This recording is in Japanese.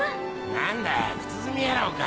何だ靴ずみ野郎か。